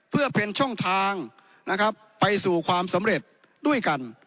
เพื่อเป็นช่องทางนะครับไปสู่ความสำเร็จด้วยกัน